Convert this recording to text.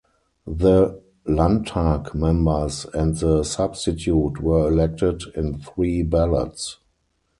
The Landtag members and the substitute were elected in three ballots.